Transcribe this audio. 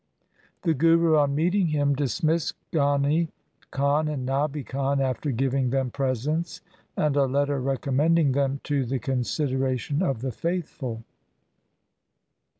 The Guru on meeting him dis missed Ghani Khan and Nabi Khan, after giving them presents and a letter recommending them to the consideration of the faithful.